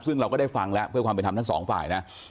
ซึ่งเราก็ได้ฟังแล้วเพื่อความเป็นธรรมทั้งสองฝ่ายนะ